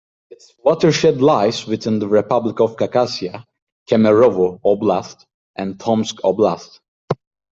Its watershed lies within the Republic of Khakassia, Kemerovo Oblast, and Tomsk Oblast.